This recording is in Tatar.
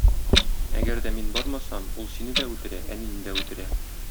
Әгәр дә мин бармасам, ул сине дә үтерә, әнине дә үтерә.